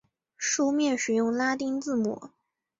书面使用拉丁字母。